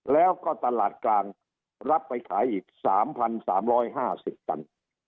แล้วก็ตลาดกลางรับไปขายอีก๓๓๕๐ตัน